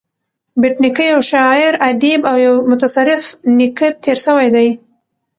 بېټ نیکه یو شاعر ادیب او یو متصرف نېکه تېر سوى دﺉ.